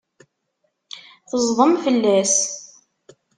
Tezḍem fell-as.